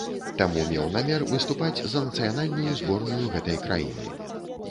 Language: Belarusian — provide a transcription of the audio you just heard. Таму меў намер выступаць за нацыянальную зборную гэтай краіны.